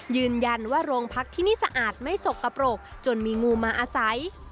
ยืนยันว่าโรงพักที่นี่สะอาดไม่สกปรกจนมีงูมาอาศัย